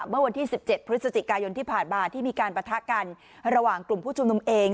เมื่อวันที่๑๗พฤศจิกายนที่ผ่านมาที่มีการปะทะกันระหว่างกลุ่มผู้ชุมนุมเอง